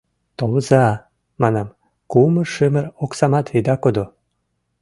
— Толыза, — манам, — кумыр-шымыр оксамат ида кодо.